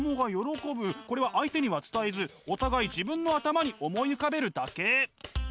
これは相手には伝えずお互い自分の頭に思い浮かべるだけ。